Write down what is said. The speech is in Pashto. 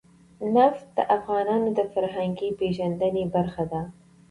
نفت د افغانانو د فرهنګي پیژندنې برخه ده.